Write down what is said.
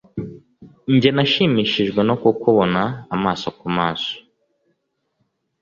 nge nashimishijwe no kukubona amaso ku maso